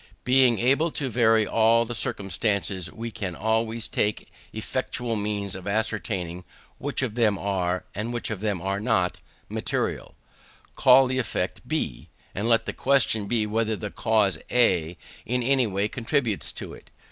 Being able to vary all the circumstances, we can always take effectual means of ascertaining which of them are, and which are not, material. Call the effect B, and let the question be whether the cause A in any way contributes to it.